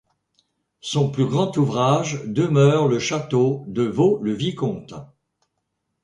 Son plus grand ouvrage demeure le château de Vaux-le-Vicomte.